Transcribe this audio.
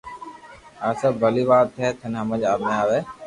آ بي ڀلو وات ھي ٿني ھمج مي آوي